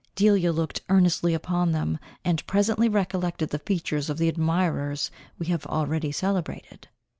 Delia looked earnestly upon them, and presently recollected the features of the admirers we have already celebrated.